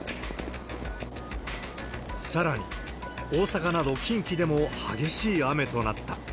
さらに、大阪など近畿でも激しい雨となった。